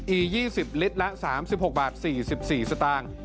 อี๒๐ลิตละ๓๖๔๔สตางค์